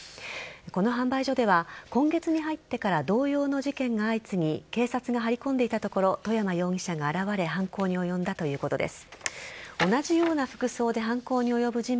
この販売所では今月に入ってから同様の事件が相次ぎ警察が張り込んでいたところ外山容疑者が現れ犯行に及んだということです。